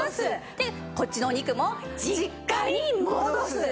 でこっちのお肉も。実家に戻す。